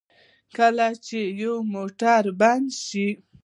کله چې یو موټر بند شي.